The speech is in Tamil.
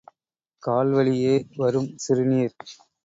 கால்வழியே விரும் சிறுநீர்.